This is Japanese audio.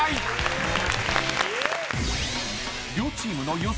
［両チームの予想